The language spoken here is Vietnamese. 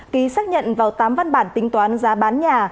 ký xác nhận vào tám văn bản tính toán giá bán nhà